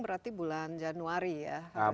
berarti bulan januari